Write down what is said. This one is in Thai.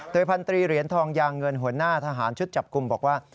พันตรีเหรียญทองยางเงินหัวหน้าทหารชุดจับกลุ่มบอกว่า